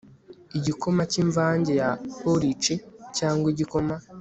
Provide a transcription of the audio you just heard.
Igikoma cyImvange ya Porici cyangwa Igikoma